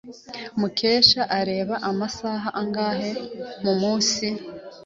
Mukesha areba amasaha angahe kumunsi?